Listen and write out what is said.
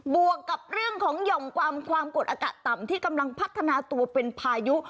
วกกับเรื่องของหย่อมความความกดอากาศต่ำที่กำลังพัฒนาตัวเป็นพายุ